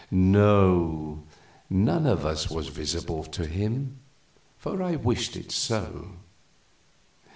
"No, none of us was visible to him, for I wished it so."